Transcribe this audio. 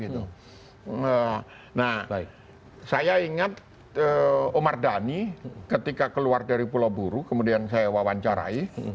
nah saya ingat omar dhani ketika keluar dari pulau buru kemudian saya wawancarai